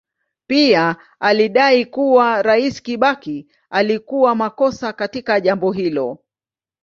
Pia alidai kuwa Rais Kibaki alikuwa makosa katika jambo hilo.